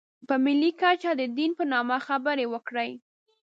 په ملي کچه د دین په نامه خبرې وکړي.